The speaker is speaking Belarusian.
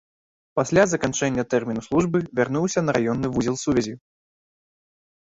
Пасля заканчэння тэрміну службы вярнуўся на раённы вузел сувязі.